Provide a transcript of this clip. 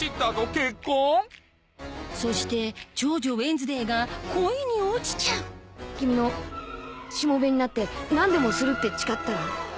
そして長女・ウェンズデーが恋に落ちちゃう君のしもべになって何でもするって誓ったら？